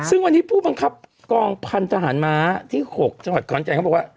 ซึ่งวันนี้ผู้บังคับกองพันธหารม้าที่๖จังหวัดขอนแก่นเขาบอกว่า